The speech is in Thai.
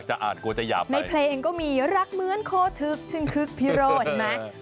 เขาถึงบอกในเพลงก็มีรักเหมือนโคทึกซึ่งคือพิโร่เห็นไหม